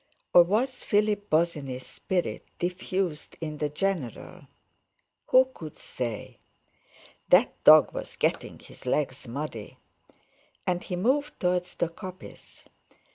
Or was Philip Bosinney's spirit diffused in the general? Who could say? That dog was getting his legs muddy! And he moved towards the coppice.